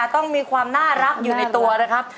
ต้องมีความน่ารักอยู่ในตัวนะครับ